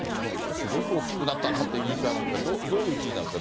すごく大きくなったなっていう印象あるんですが、どういう記事なんですか？